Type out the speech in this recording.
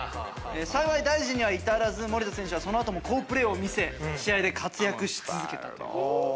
幸い大事には至らず守田選手はその後も好プレーを見せ試合で活躍し続けたと。